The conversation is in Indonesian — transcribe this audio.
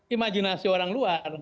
imajinasi orang luar